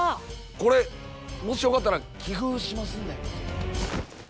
これもしよかったら寄付しますんで。